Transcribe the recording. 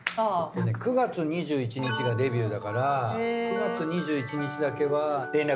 ９月２１日がデビューだから９月２１日だけは。